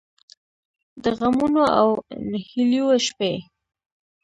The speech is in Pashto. د غمـونـو او نهـيليو شـپې